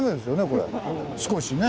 これ少しね。